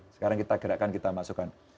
sekarang kita gerakkan kita masukkan